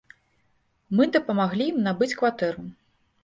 Мы дапамаглі ім набыць кватэру.